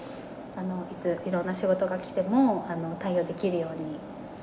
いつ、いろんな仕事が来ても対応できるように。